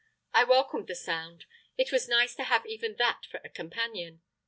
I welcomed the sound; it was nice to have even that for a companion.